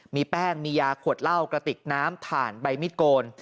มีแป้งมียาขวดเหล้ากระติกน้ำถ่านใบมิดโกน